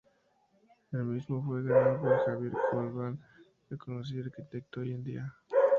El mismo fue ganado por Javier Corvalán, reconocido arquitecto hoy en día.